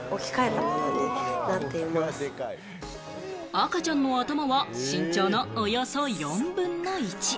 赤ちゃんの頭は身長のおよそ４分の１。